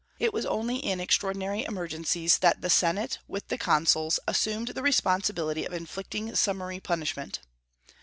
It was only in extraordinary emergencies that the senate, with the consuls, assumed the responsibility of inflicting summary punishment.